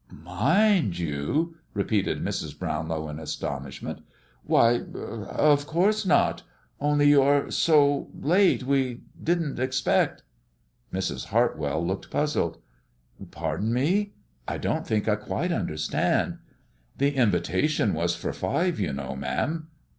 "Mind you!" repeated Mrs. Brownlow, in astonishment. "Why of course not only you are so late we didn't expect" Mrs. Hartwell looked puzzled. "Pardon me, I don't think I quite understand" "The invitation was for five, you know, ma'am."